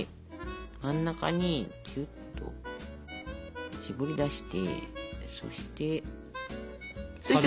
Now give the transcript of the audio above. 真ん中にキュッとしぼり出してそして。